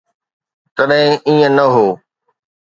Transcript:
تڏهن ائين نه هو.